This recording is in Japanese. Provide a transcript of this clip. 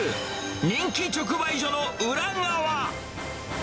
人気直売所のウラ側。